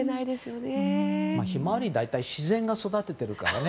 ヒマワリは大体自然が育ててるからね。